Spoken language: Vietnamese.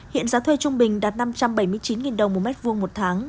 hiện giá thuê trung bình đạt năm trăm bảy mươi chín đồng một mét vuông một tháng